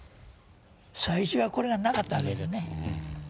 最初はこれがなかったわけですね。